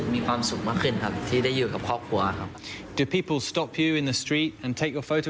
มีใครอยากนำตัวไปกับเธอ